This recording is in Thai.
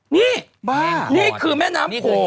นี่นี่คือแม่น้ำโขง